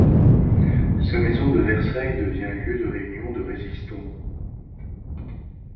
Sa maison de Versailles devient un lieu de réunions de résistants.